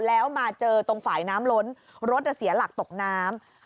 แล้วมาเจอตรงฝ่ายน้ำล้นรถเสียหลักตกน้ำ